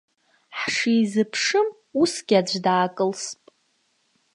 Ҳшизыԥшым, усгьы аӡә даакылсп.